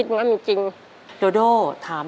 โดยโปรแกรมแม่รักลูกมาก